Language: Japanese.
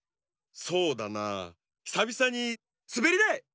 そうだなひさびさにすべりだい！